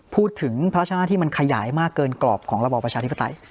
พูดถึงพระราชนะที่มันขยายมากเกินกรอบของระบอบประชาธิภัตริย์